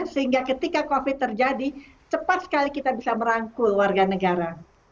sehingga ketika covid terjadi cepat sekali kita bisa merangkul warga negara